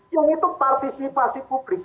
yang itu partisipasi publik